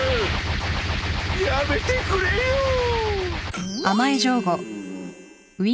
やめてくれよん。